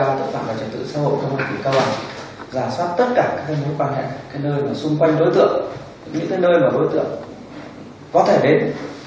giả soát tất cả các nơi quan hệ các nơi xung quanh đối tượng những nơi mà đối tượng có thể đến